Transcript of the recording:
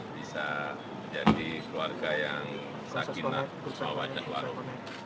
bisa menjadi keluarga yang sakinah mawa cek warung